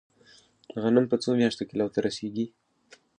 غنم په څو میاشتو کې لو ته رسیږي؟